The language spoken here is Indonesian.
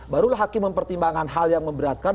barulah hakim mempertimbangkan hal yang memberatkan